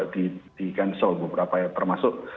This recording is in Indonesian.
di cancel beberapa ya termasuk